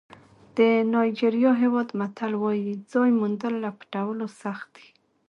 د نایجېریا هېواد متل وایي ځای موندل له پټولو سخت دي.